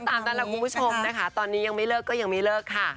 ตามนั้นแหละคุณผู้ชมนะคะตอนนี้ยังไม่เลิกก็ยังไม่เลิกค่ะ